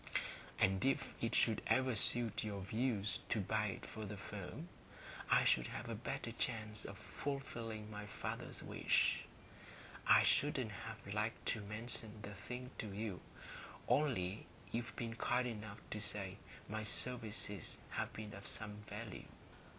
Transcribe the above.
And if it should ever suit your views to buy it for the firm, I should have a better chance of fulfilling my father's wish. I shouldn't have liked to mention the thing to you, only you've been kind enough to say my services have been of some value.